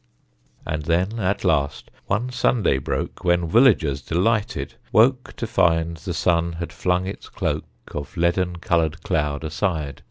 And then at last one Sunday broke When villagers, delighted, woke To find the sun had flung its cloak Of leaden coloured cloud aside.